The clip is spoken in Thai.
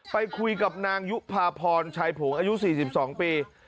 ไปคุยกับนางยุภาพรชายผงอายุ๔๒ปี